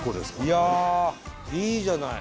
いやいいじゃない。